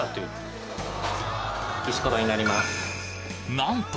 なんと！